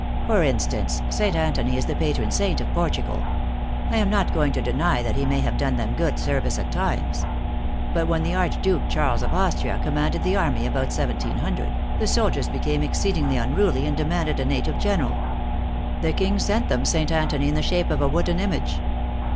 " For instance, St. Antony is the patron saint of Portugal. I am not going to deny that he may have done them good service at times. But when the archduke, Charles of Austria, commanded the army, about IToO, the soldiers became exceedingly unruly, and demanded a native general. The king sent them St. Antony, in the shape of a wooden image.